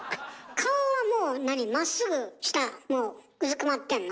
顔はもうまっすぐ下うずくまってんの？